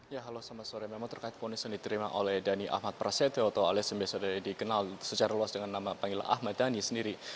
ya halo selamat sore memang terkait ponis yang diterima oleh dhani ahmad prasetyo atau alias yang biasa dikenal secara luas dengan nama panggilan ahmad dhani sendiri